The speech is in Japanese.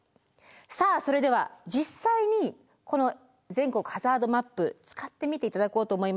さあそれでは実際にこの全国ハザードマップ使ってみて頂こうと思いますが。